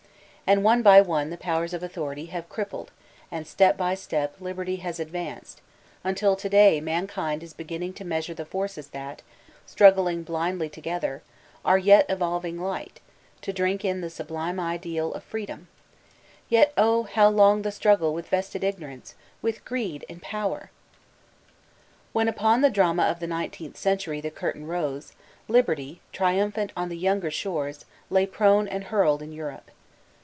And one by one the powers of Authority have been crippled, and step by step Liberty has advanced, until to day mankind is beginning to measure the forces that, struggling blindly 386 VOLTAIKINB DB ClEYRE together, are yet evolving light, to drink in the rablime ideal of freedom. Yet, oh, how long the struggle widi vested ignorance, with greed in power 1 When upon the Drama of the Nineteenth Century the curtain rose. Liberty, triumphant on the younger shores, lay prone and hurled in Europe.